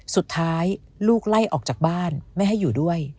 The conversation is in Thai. สุดท้ายลูกไล่ออกจากบ้านไม่ให้อยู่ด้วย